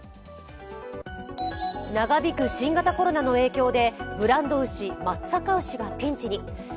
長引く新型コロナの影響でブランド牛、松阪牛がピンチに。